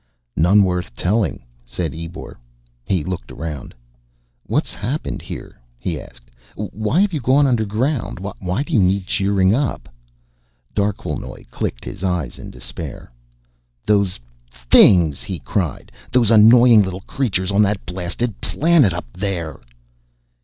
"None worth telling," said Ebor. He looked around. "What's happened here?" he asked. "Why've you gone underground? Why do you need cheering up?" Darquelnoy clicked his eyes in despair. "Those things!" he cried. "Those annoying little creatures on that blasted planet up there!"